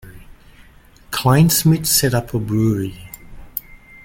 Kleinschmidt set up a brewery.